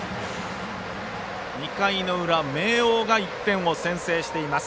２回の裏、明桜が１点を先制しています。